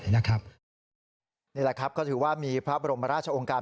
นี่แหละครับก็ถือว่ามีพระบรมราชองค์การ